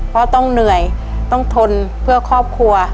เพราะต้องเหนื่อยต้องทนเพื่อครอบครัว